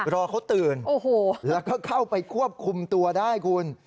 รอเขาตื่นแล้วก็เข้าไปควบคุมตัวได้คุณ